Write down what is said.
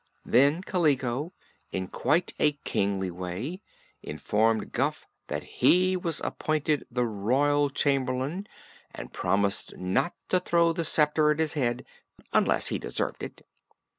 Then Kaliko, in quite a kingly way, informed Guph that he was appointed the Royal Chamberlain, and promised not to throw the sceptre at his head unless he deserved it.